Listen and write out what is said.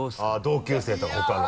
同級生とかほかの。